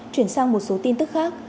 chuyển sang một số tin tức khác